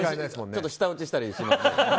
ちょっと舌打ちしたりします。